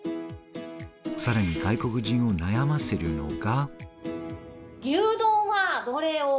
さらに外国人を悩ませるのが。